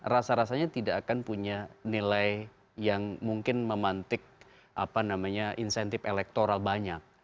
rasa rasanya tidak akan punya nilai yang mungkin memantik insentif elektoral banyak